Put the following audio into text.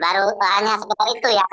baru hanya sekitar itu ya